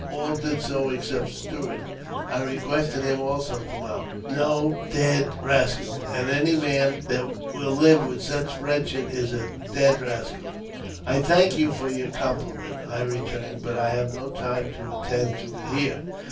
All did so except Stuart. I ; requested him also to mount. " No," said he, *' I will get on behind no d — d rascal ; and any man that will live with such wretches is a d — d rascal." 1 "I thank you for your compliment," I returned; "but I have no time to attend to it here."